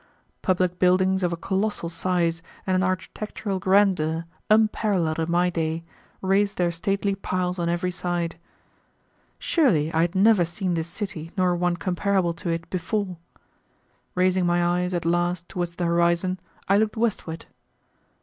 Public buildings of a colossal size and an architectural grandeur unparalleled in my day raised their stately piles on every side. Surely I had never seen this city nor one comparable to it before. Raising my eyes at last towards the horizon, I looked westward.